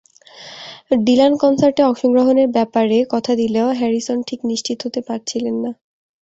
Dylan কনসার্টে অংশগ্রহণের ব্যাপারে কথা দিলেও হ্যারিসন ঠিক নিশ্চিত হতে পারছিলেন না।